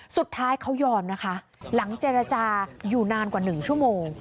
สุดท้ายเขายอมนะคะหลังเจรจาอยู่นานกว่า๑ชั่วโมง